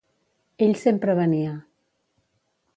Ell sempre venia.